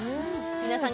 皆さん